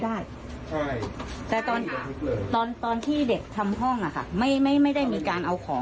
แต่ตอนที่เราออกเรามีโชว์คุณ